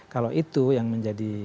kalau itu yang menjadi